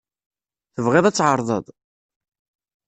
Tebɣid ad tɛerḍed?